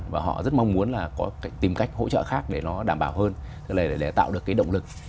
và họ rất mong muốn là có tìm cách hỗ trợ khác để nó đảm bảo hơn để tạo được động lực